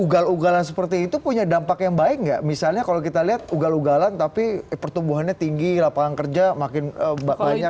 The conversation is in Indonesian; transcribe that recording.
tapi kalau kita lihat ekonomi itu punya dampak yang baik nggak misalnya kalau kita lihat ugal ugalan tapi pertumbuhannya tinggi lapangan kerja makin banyak